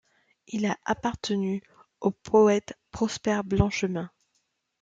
Il a appartenu au poète Prosper Blanchemain.